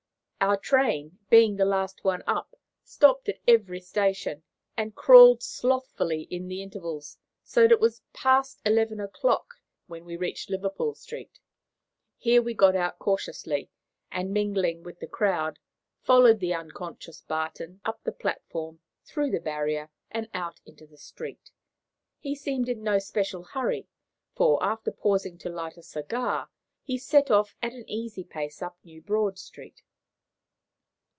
Our train, being the last one up, stopped at every station, and crawled slothfully in the intervals, so that it was past eleven o'clock when we reached Liverpool Street. Here we got out cautiously, and, mingling with the crowd, followed the unconscious Barton up the platform, through the barrier, and out into the street. He seemed in no special hurry, for, after pausing to light a cigar, he set off at an easy pace up New Broad Street.